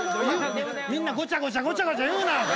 みんなごちゃごちゃごちゃごちゃ言うな。